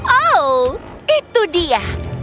oh itu dia